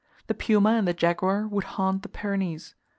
The puma and the jaguar would haunt the Pyrenees.